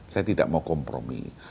saya tidak mau kompromi